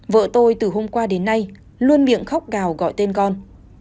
vợ tôi từ hôm qua đến nay luôn miệng khóc gào gọi tên con